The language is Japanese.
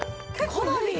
かなり。